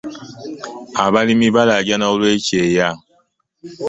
Abalimi balajana olwekyeya.